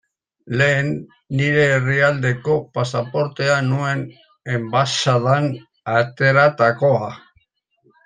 Lehen nire herrialdeko pasaportea nuen, enbaxadan ateratakoa.